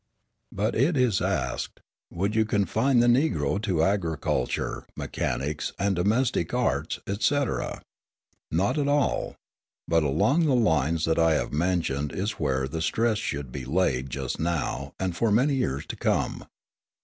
But it is asked, Would you confine the Negro to agriculture, mechanics, and domestic arts, etc.? Not at all; but along the lines that I have mentioned is where the stress should be laid just now and for many years to come.